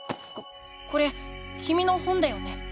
ここれきみの本だよね？